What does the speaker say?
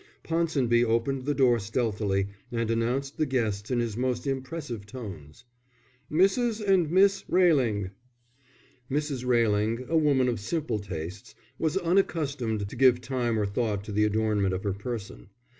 Ponsonby opened the door stealthily and announced the guests in his most impressive tones. "Mrs. and Miss Railing." Mrs. Railing, a woman of simple tastes, was unaccustomed to give time or thought to the adornment of her person.